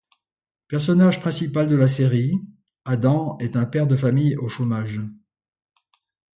Personnage principal de la série, Adam est un père de famille au chômage.